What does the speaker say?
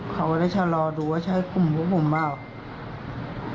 เขาก็จะชะลอไปถามว่าใช่กลุ่มทุกคนหรือยัง